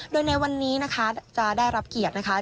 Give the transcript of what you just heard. โดยในวันนี้นะคะจะได้รับเกียรตินะคะ